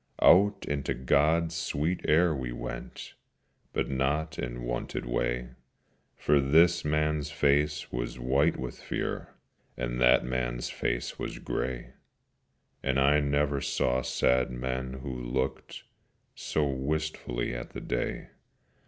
Out into God's sweet air we went, But not in wonted way, For this man's face was white with fear, And that man's face was grey, And I never saw sad men who looked So wistfully at the day.